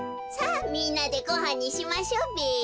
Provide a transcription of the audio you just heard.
さあみんなでごはんにしましょベ。